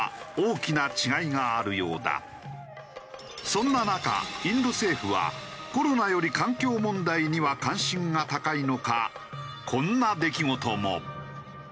そんな中インド政府はコロナより環境問題には関心が高いのかこんな出来事も。